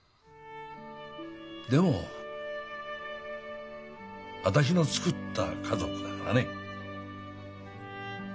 でも私のつくった家族だからね。